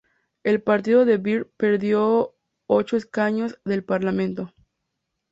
El partido de Bird perdió ocho escaños del Parlamento.